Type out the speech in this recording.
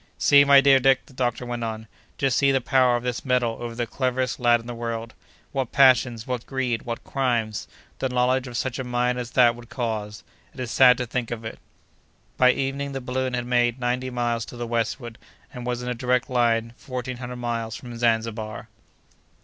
"See, my dear Dick!" the doctor went on. "Just see the power of this metal over the cleverest lad in the world! What passions, what greed, what crimes, the knowledge of such a mine as that would cause! It is sad to think of it!" By evening the balloon had made ninety miles to the westward, and was, in a direct line, fourteen hundred miles from Zanzibar.